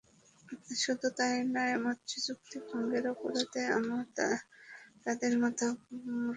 শুধু তাই নয়, মৈত্রীচুক্তি ভঙ্গের অপরাধে তোমাদের মাথা ধড় থেকে বিচ্ছিন্ন হবে।